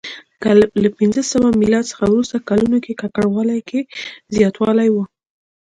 له پنځه سوه میلاد څخه وروسته کلونو کې ککړوالي کې زیاتوالی و